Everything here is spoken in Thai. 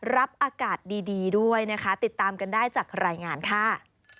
รับอากาศดีด้วยนะคะติดตามกันได้จากรายงานค่ะ